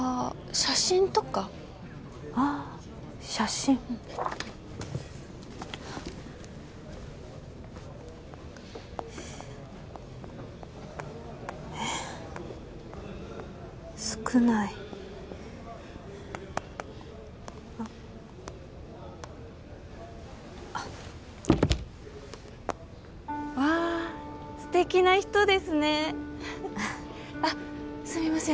写真とかああ写真えっ少ないあっあっわあ素敵な人ですねあっすみません